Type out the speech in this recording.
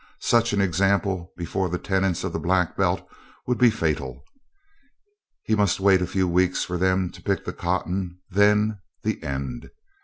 Such an example before the tenants of the Black Belt would be fatal. He must wait a few weeks for them to pick the cotton then, the end.